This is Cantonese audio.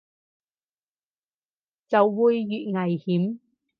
就會越危險